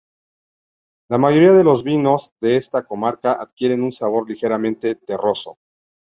La mayoría de los vinos de esta comarca adquieren un sabor ligeramente terroso.